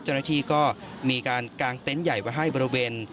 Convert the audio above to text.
เจ้าหน้าที่ก็มีการกางเต็นต์ใหญ่ไว้ให้บริเวณ